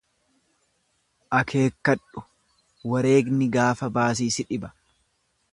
Akeekkadhu! wareegni gaafa baasii si dhiba.